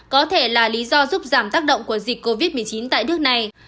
có thể là lý do giúp giảm tác động của dịch covid một mươi chín tại nước này